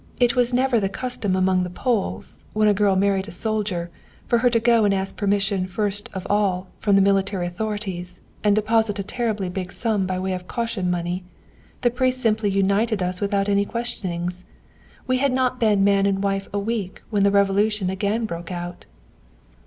It was never the custom among the Poles when a girl married a soldier for her to go and ask permission first of all from the military authorities, and deposit a terribly big sum by way of caution money; the priest simply united us without any questionings. We had not been man and wife a week when the Revolution again broke out.